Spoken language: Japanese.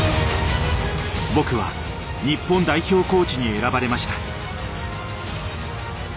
僕は日本代表コーチに選ばれました。